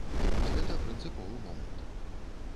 І вось гэта прынцыповы момант.